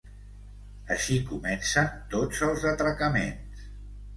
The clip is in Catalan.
Així comencen tots els atracaments.